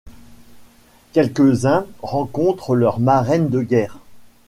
Quelques-uns rencontrent leur marraine de guerre.